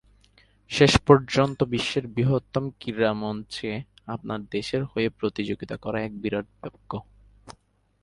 শেষ পর্যন্ত, বিশ্বের বৃহত্তম ক্রীড়া মঞ্চে আপনার দেশের হয়ে প্রতিযোগিতা করা এক বিরাট ভাগ্য।